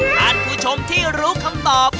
ท่านผู้ชมที่รู้คำตอบ